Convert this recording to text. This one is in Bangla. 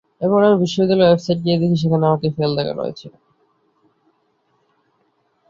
এরপর আমি বিশ্ববিদ্যালয়ের ওয়েবসাইটে গিয়ে দেখি সেখানে আমাকে ফেল দেখানো হয়েছে।